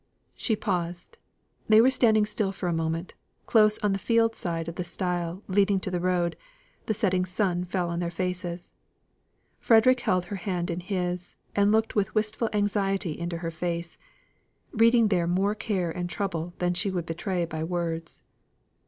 She paused; they were standing still for a moment, close on the field side of the stile leading into the road; the setting sun fell on their faces. Frederick held her hand in his, and looked with wistful anxiety into her face, reading there more care and trouble than she would betray by words.